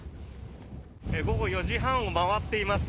午後４時半を回っています。